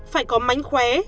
phải có mánh khóe